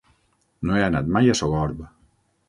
No he anat mai a Sogorb.